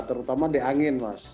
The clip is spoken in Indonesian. terutama di angin mas